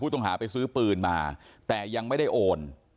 ต้องหาไปซื้อปืนมาแต่ยังไม่ได้โอน